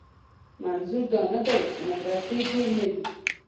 منظور دا نه دی چې مدرسې دې نه وي.